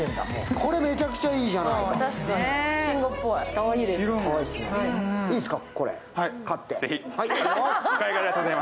これ、めちゃくちゃいいじゃないですか。